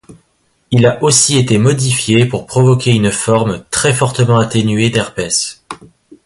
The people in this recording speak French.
Il a aussi été modifié pour provoquer une forme très fortement atténuée d’herpès.